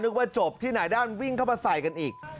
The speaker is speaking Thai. ว่าจบที่ไหนด้านวิ่งเข้ามาใส่กันอีก